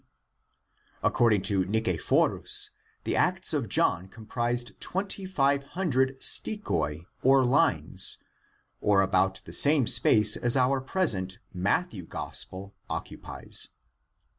D. According to Ni cephorus, the Acts of John comprised twenty five hundred stichoi, or lines, or about the same space as our present Matthew Gospel occupies.